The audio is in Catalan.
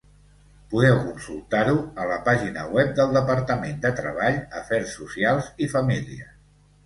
Podeu consultar-ho a la pàgina web del Departament de Treball, Afers Socials i Famílies.